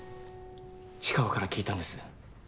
氷川から聞いたんです。